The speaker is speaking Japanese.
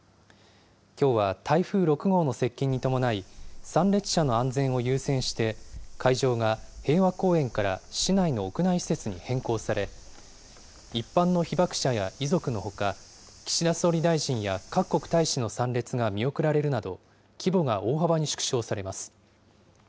きょうは台風６号の接近に伴い、参列者の安全を優先して、会場が平和公園から市内の屋内施設に変更され、一般の被爆者や遺族のほか、岸田総理大臣や各国大使の参列が見送られるなど、規模が大幅に縮小されます。